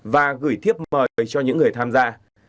và gửi thiếp mời cho những người tham gia